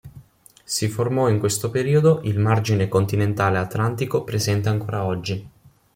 Si formò in questo periodo il margine continentale Atlantico presente ancora oggi.